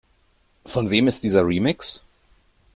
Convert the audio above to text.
Von wem ist dieser Remix?